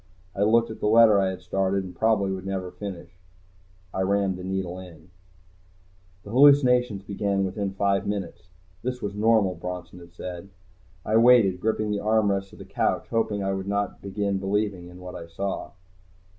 I looked at the letter I had started and probably would never finish. I rammed the needle in. The hallucinations began within five minutes. This was normal, Bronson had said. I waited, gripping the armrests of the couch, hoping I would not begin believing in what I saw.